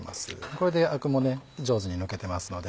これでアクも上手に抜けてますので。